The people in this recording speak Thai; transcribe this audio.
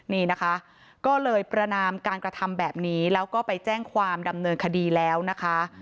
นี่นะคะก็เลยประนามการกระทำแบบนี้แล้วก็ไปแจ้งความดำเนินคดีแล้วนะคะ